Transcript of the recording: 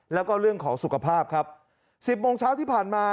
แล้วก็เรื่องของสุขภาพครับสิบโมงเช้าที่ผ่านมา